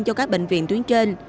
cho các bệnh viện tuyến trên